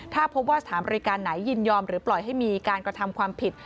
ถ้าพบว่าสถานบริการไหนยินยอมหรือปล่อยให้มีการกระทำความผิด